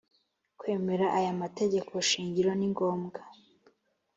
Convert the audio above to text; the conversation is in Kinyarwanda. kwemera aya mategeko shingiro ni ngombwa